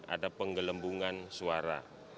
ada penggelembungan suara